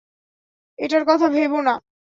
এটার কথা ভেব না।